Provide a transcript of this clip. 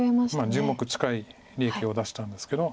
１０目近い利益を出したんですけど。